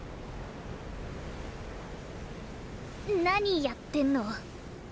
何やってんの？